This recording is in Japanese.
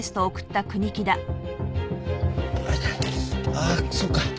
ああそうか。